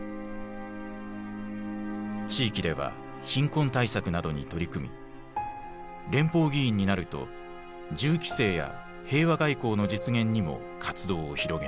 地域では貧困対策などに取り組み連邦議員になると銃規制や平和外交の実現にも活動を広げていた。